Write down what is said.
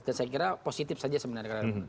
dan saya kira positif saja sebenarnya